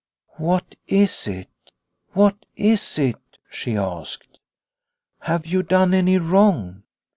"What is it? What is it ?''' she asked. " Have you done any wrong